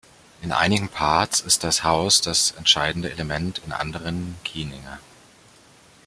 In einigen Parts ist das Haus das entscheidende Element, in anderen Kieninger.